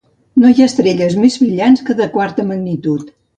No hi ha estrelles més brillants que de quarta magnitud.